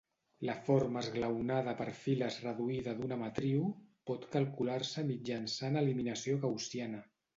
La forma esglaonada per files reduïda d'una matriu pot calcular-se mitjançant eliminació gaussiana.